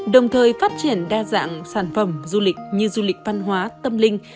đồng thời phát triển đa dạng sản phẩm du lịch như du lịch văn hóa tâm linh